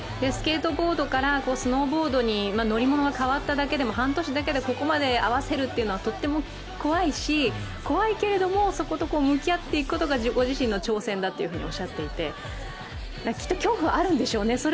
スケートボードからスノーボードに乗り物が変わっただけで半年だけで、ここまで合わせるというのはとても怖いし、怖いけれども、そこと向き合っていくことがご自身の挑戦だとおっしゃっていて、きっと恐怖はあるんでしょうね。